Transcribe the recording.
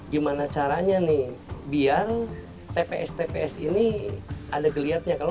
gimana caranya nih biar tps tps ini ada kelihatannya